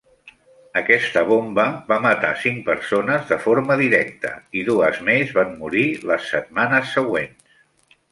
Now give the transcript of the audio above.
Aquesta bomba va matar cinc persones de forma directa i dues més van morir les setmanes següents.